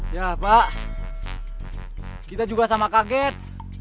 ya pak kita juga sama kaget